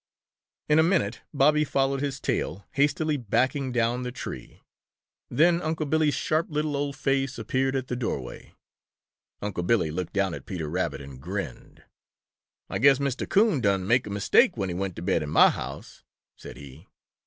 In a minute Bobby followed his tail, hastily backing down the tree. Then Unc' Billy's sharp little old face appeared at the doorway. Unc' Billy looked down at Peter Rabbit and grinned. "Ah guess Mistah Coon done make a mistake when he went to bed in mah house," said he.